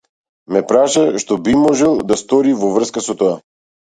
Ме праша што би можел да стори во врска со тоа.